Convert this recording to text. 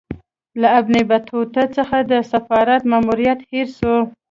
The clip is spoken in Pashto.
له ابن بطوطه څخه د سفارت ماموریت هېر سوی.